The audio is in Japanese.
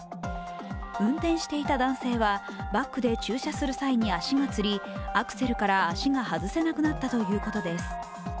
運転していた男性はバックで駐車する際に足がつりアクセルから足が外せなくなったということです。